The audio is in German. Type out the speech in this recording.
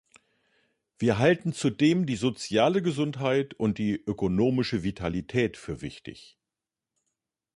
Wir halten zudem die soziale Gesundheit und die ökonomische Vitalität für wichtig.